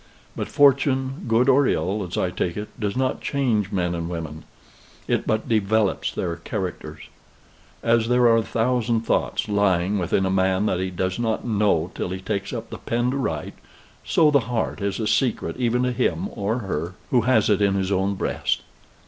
But fortune, good or ill, as I take it, does not change men and women. It but develops their characters. As there are a thousand thoughts lying within a man that he does not know till he takes up the pen to write, so the heart is a secret even to him (or her) who has it in his own breast.